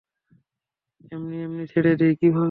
এমনি এমনি ছেড়ে দিই কীভাবে?